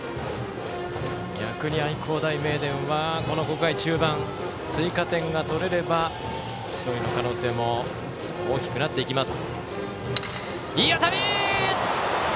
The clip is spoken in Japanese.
逆に愛工大名電はこの５回、中盤追加点が取れれば勝利の可能性も大きくなっていきます。